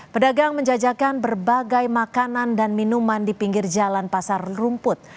pedagang menjajakan berbagai makanan dan minuman di pinggir jalan pasar rumput